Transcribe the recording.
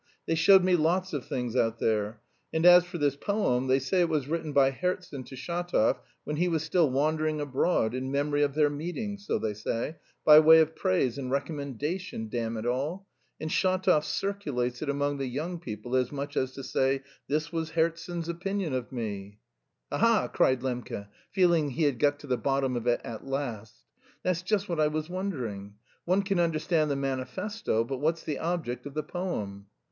They showed me lots of things out there. And as for this poem, they say it was written by Herzen to Shatov when he was still wandering abroad, in memory of their meeting, so they say, by way of praise and recommendation damn it all... and Shatov circulates it among the young people as much as to say, 'This was Herzen's opinion of me.'" "Ha ha!" cried Lembke, feeling he had got to the bottom of it at last. "That's just what I was wondering: one can understand the manifesto, but what's the object of the poem?"